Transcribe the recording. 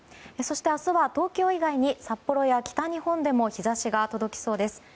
そして、明日は東京以外に札幌や北日本でも日差しが届きそうです。